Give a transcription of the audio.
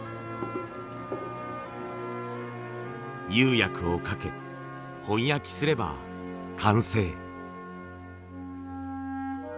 釉薬をかけ本焼きすれば完成。